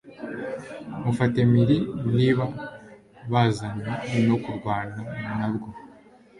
mubafate mpiri niba bazanywe no kurwana na bwo